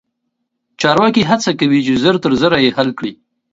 چارواکي هڅه کوي چې ژر تر ژره یې حل کړي.